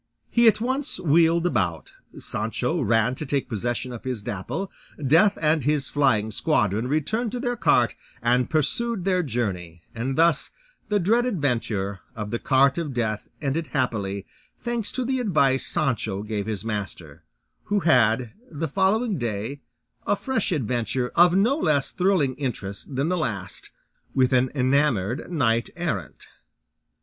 He at once wheeled about, Sancho ran to take possession of his Dapple, Death and his flying squadron returned to their cart and pursued their journey, and thus the dread adventure of the cart of Death ended happily, thanks to the advice Sancho gave his master; who had, the following day, a fresh adventure, of no less thrilling interest than the last, with an enamoured knight errant.